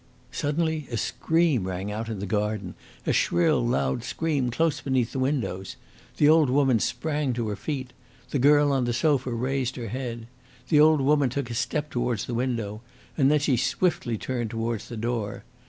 Suddenly a scream rang out in the garden a shrill, loud scream, close beneath the windows. The old woman sprang to her feet. The girl on the sofa raised her head. The old woman took a step towards the window, and then she swiftly turned towards the door.